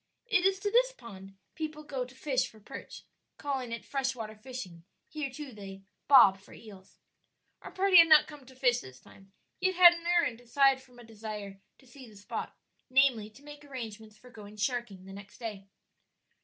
It is to this pond people go to fish for perch; calling it fresh water fishing; here too they "bob" for eels. Our party had not come to fish this time, yet had an errand aside from a desire to see the spot namely, to make arrangements for going sharking the next day.